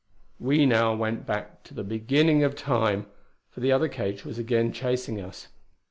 We now went back to the Beginning of Time, for the other cage was again chasing us.